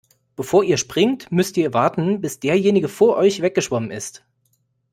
Bevor ihr springt, müsst ihr warten, bis derjenige vor euch weggeschwommen ist.